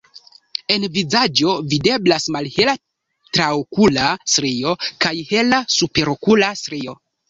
En vizaĝo videblas malhela traokula strio kaj hela superokula strio.